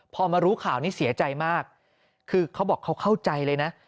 พอมารู้ข่าวนี้เสียใจมากคือเขาบอกเขาเข้าใจเลยนะ